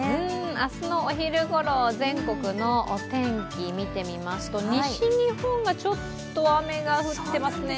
明日のお昼ごろ、全国のお天気見てみますと西日本がちょっと雨が降ってますね。